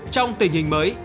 trong tình hình mới